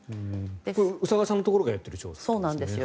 これは宇佐川さんのところがやっている調査なんですね。